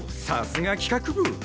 さすが企画部！